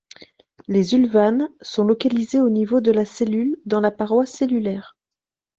Les ulvanes sont localisés au niveau de la cellule dans la paroi cellulaire.